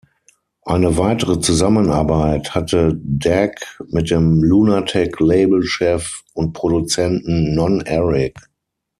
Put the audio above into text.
Eine weitere Zusammenarbeit hatte Dag mit dem Lunatec-Label-Chef und Produzenten Non-Eric.